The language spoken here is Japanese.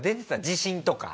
自信とか。